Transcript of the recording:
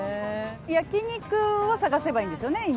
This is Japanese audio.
焼肉を探せばいいんですよね？